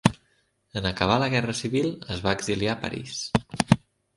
En acabar la guerra civil es va exiliar a París.